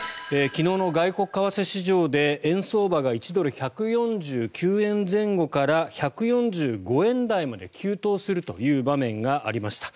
昨日の外国為替市場で円相場が１ドル＝１４９円前後から１４５円台まで急騰するという場面がありました。